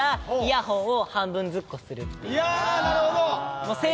いやなるほど！